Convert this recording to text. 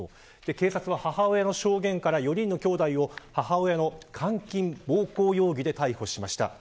警察は母親の証言から４人のきょうだいを母親への監禁、暴行容疑で逮捕しました。